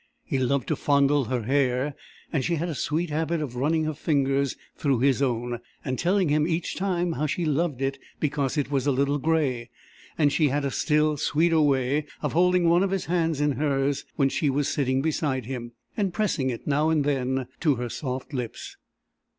He loved to fondle her hair, and she had a sweet habit of running her fingers through his own, and telling him each time how she loved it because it was a little gray; and she had a still sweeter way of holding one of his hands in hers when she was sitting beside him, and pressing it now and then to her soft lips.